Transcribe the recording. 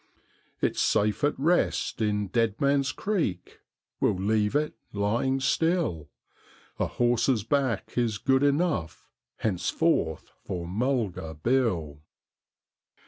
It's safe at rest in Dead Man's Creek, we'll leave it lying still; A horse's back is good enough henceforth for Mulga Bill.'